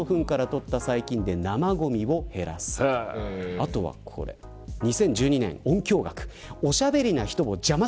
あとは２０１２年の音響学です。